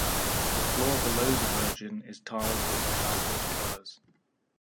The floor below the Virgin is tiled with elaborate colors.